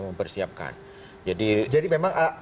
mempersiapkan jadi memang